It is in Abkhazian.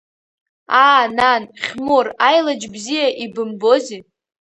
Аа, нан, Хьмур, аилаџь бзиа ибымбози!